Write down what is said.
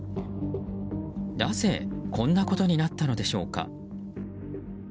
なぜこんなことになったのでしょうか。